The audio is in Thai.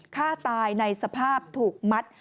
ฆ่าตายในสภาพถูกมัด